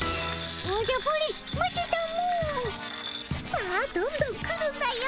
さあどんどん来るんだよ。